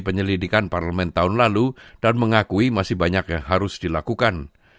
penyelidikan parlemen tahun lalu dan mengakui masih banyak yang harus dilakukan